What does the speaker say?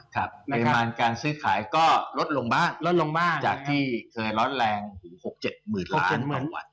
ปริมาณการซื้อขายก็ลดลงบ้างจากที่เคยร้อนแรง๖๗หมื่นล้านเมื่อวาน